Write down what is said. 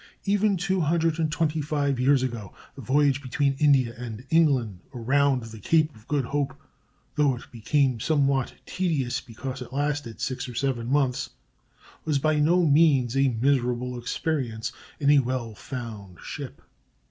Even two hundred and twenty five years ago the voyage between India and England around the Cape of Good Hope, though it became somewhat tedious, because it lasted six or seven months, was by no means a miserable experience in a well found ship.